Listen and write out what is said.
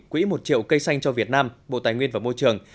quỹ một triệu cây xanh cho việt nam bộ tài nguyên và môi trường